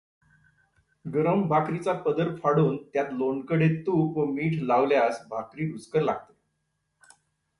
गरम भाकरीचा पदर फाडून त्यात लोणकढे तूप व मीठ लावल्यास भाकरी रुचकर लागते.